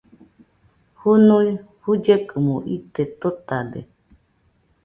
Jɨnui jullekomo ite totade